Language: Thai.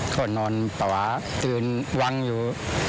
โคตรนอนปลาตื่นวังอยู่